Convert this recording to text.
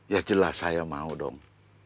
ya jelas saya mau dong